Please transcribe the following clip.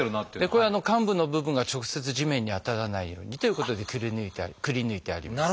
これ患部の部分が直接地面に当たらないようにということでくりぬいてあります。